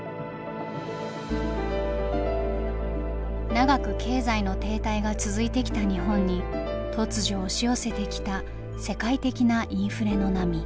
長く経済の停滞が続いてきた日本に突如押し寄せてきた世界的なインフレの波。